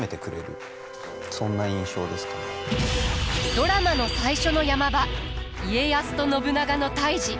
ドラマの最初の山場家康と信長の対じ。